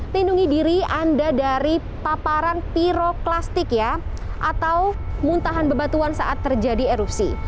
lindungi diri anda dari paparan piroklastik ya atau muntahan bebatuan saat terjadi erupsi